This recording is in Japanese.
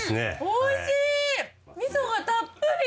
おいしいミソがたっぷり。